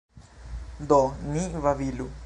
Do ni babilu.